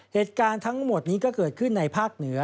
เหตุการณ์ทั้งหมดนี้ก็เกิดขึ้นในภาคเหนือ